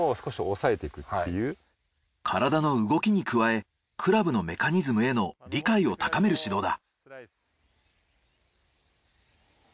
体の動きに加えクラブのメカニズムへの理解を高める指導だ。